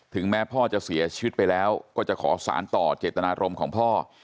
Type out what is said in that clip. แม้พ่อจะเสียชีวิตไปแล้วก็จะขอสารต่อเจตนารมณ์ของพ่อ